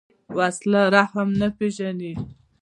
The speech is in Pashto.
وسله رحم نه پېژني